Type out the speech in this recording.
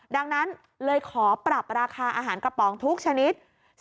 ดังนั้นเลยขอปรับราคาอาหารกระป๋องทุกชนิด